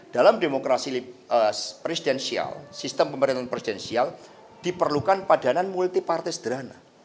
dalam demokrasi presidensial sistem pemerintahan presidensial diperlukan padanan multi partai sederhana